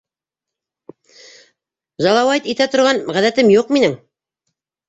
Жалауайт итә торған ғәҙәтем юҡ минең!